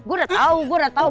gue udah tahu gue udah tahu